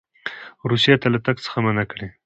روسیې ته له تګ څخه منع کړي.